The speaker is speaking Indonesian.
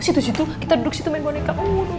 situs situ kita duduk situ main boneka